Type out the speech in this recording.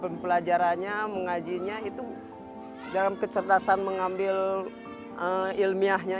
dalam segi pembelajarannya mengajinya dalam kecerdasan mengambil ilmiahnya